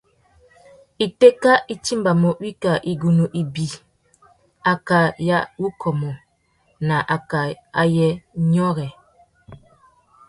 Itéka i timbamú wikā igunú ibi: akā ya wukômô na akā ayê nyôrê.